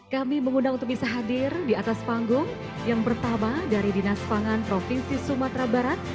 kami mengundang untuk bisa hadir di atas panggung yang pertama dari dinas pangan provinsi sumatera barat